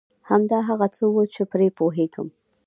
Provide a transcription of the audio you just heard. همدا هغه څه و چي زه پرې پوهېږم.